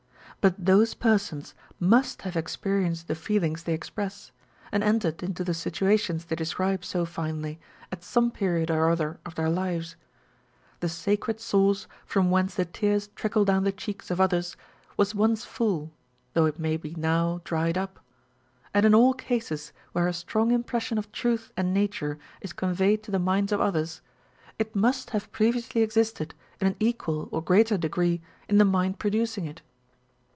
But those persons must have experienced the feelings they express, and entered into the situations they describe so finely, at some period or other of their lives : the sacred source from whence the tears trickle down the cheeks of others, was once full, though it may be now dried up ; and in all cases where a strong impression of truth and nature is conveyed to the minds of others, it must have pre viously existed in an equal or greater degree in the mind producing it.